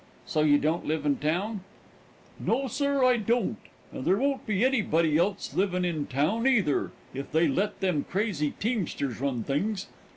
"So you don't live in town?" "No, sir, I don't, and there won't be anybody else livin' in town, either, if they let them crazy teamsters run things.